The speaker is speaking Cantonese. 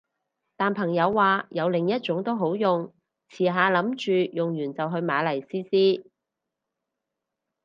但朋友話有另一種都好用，遲下諗住用完就去買嚟試試